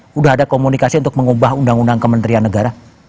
sudah ada komunikasi untuk mengubah undang undang kementerian negara